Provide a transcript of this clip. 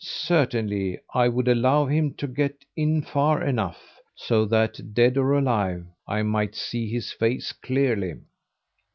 Certainly! I would allow him to get in far enough, so that, dead or alive, I might see his face clearly!